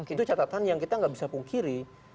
itu catatan yang kita nggak bisa pungkiri